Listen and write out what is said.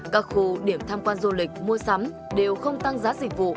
các khu điểm tham quan du lịch mua sắm đều không tăng giá dịch vụ